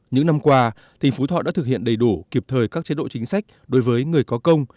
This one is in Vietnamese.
những năm qua tỉnh phú thọ đã thực hiện đầy đủ kịp thời các chế độ chính sách đối với người có công